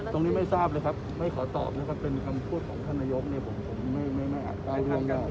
ตรงนี้ไม่ทราบเลยครับไม่ขอตอบนะครับเป็นคำพูดของท่านนายโยคเนี่ยผมไม่อาจเก้าที่นั่งได้